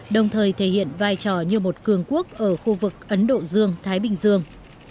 đồng thời thể hiện vai trò như một cường quốc ở khu vực ấn độ dương thái bình dương